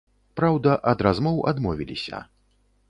Праўда, ад размоў адмовіліся.